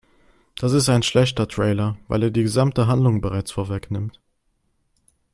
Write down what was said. Das ist ein schlechter Trailer, weil er die gesamte Handlung bereits vorwegnimmt.